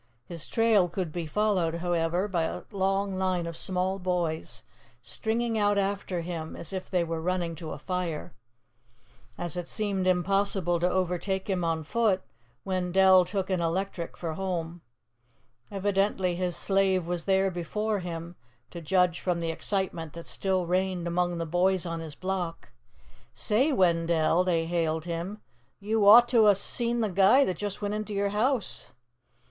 His trail could be followed, however, by a long line of small boys, stringing out after him as if they were running to a fire. As it seemed impossible to overtake him on foot, Wendell took an electric for home. Evidently, his slave was there before him, to judge from the excitement that still reigned among the boys on his block. "Say, Wendell," they hailed him, "you ought to 'a seen the guy that just went into your house!"